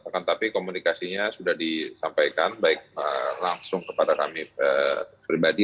tetapi komunikasinya sudah disampaikan baik langsung kepada kami pribadi